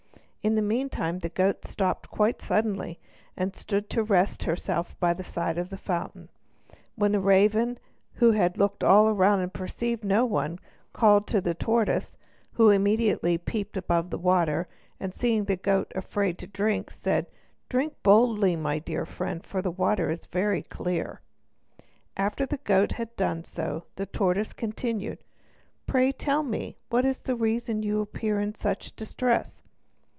In the mean time the goat stopped quite suddenly, and stood to rest herself by the side of a fountain, when the raven, who had looked all round and perceived no one, called to the tortoise, who immediately peeped above the water, and seeing the goat afraid to drink, said: "Drink boldly, my friend, for the water is very clear." After the goat had done so, the tortoise continued: "Pray tell me what is the reason you appear in such distress?"